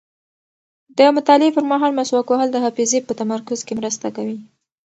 د مطالعې پر مهال مسواک وهل د حافظې په تمرکز کې مرسته کوي.